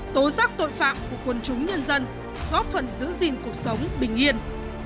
tố giác tội phạm của quân chúng nhân dân góp phần giữ gìn cuộc sống bình yên